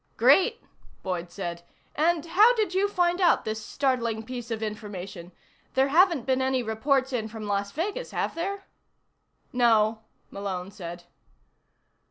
"Great," Boyd said. "And how did you find out this startling piece of information? There haven't been any reports in from Las Vegas, have there?" "No," Malone said.